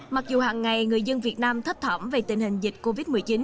mặc dù hằng ngày người dân việt nam thấp thỏm về tình hình dịch covid một mươi chín